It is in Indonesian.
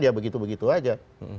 ya begitu begitu saja